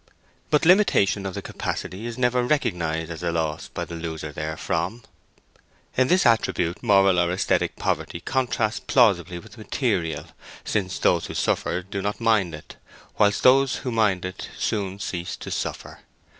But limitation of the capacity is never recognized as a loss by the loser therefrom: in this attribute moral or æsthetic poverty contrasts plausibly with material, since those who suffer do not mind it, whilst those who mind it soon cease to suffer.